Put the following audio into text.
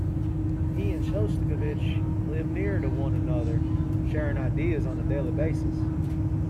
He and Shostakovich lived near to one another, sharing ideas on a daily basis.